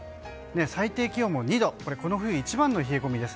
最低気温も２度この冬一番の冷え込みです。